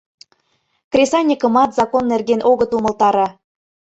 Кресаньыкымат закон нерген огыт умылтаре.